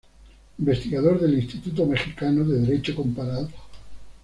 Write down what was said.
Investigador del Instituto Mexicano de Derecho Comparado.